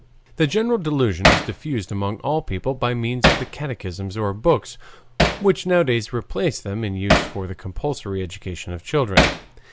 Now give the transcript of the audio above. The general delusion is diffused among all people by means of the catechisms or books, which nowadays replace them, in use for the compulsory education of children.